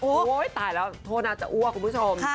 ตายแล้วโทษน่าจะอ้วกคุณผู้ชม